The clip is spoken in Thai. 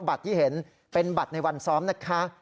บัตรที่เห็นเป็นบัตรในวันซ้อมนะคะ